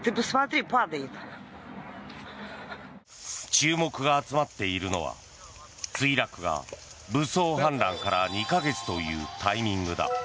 注目が集まっているのは墜落が武装反乱から２か月というタイミングだ。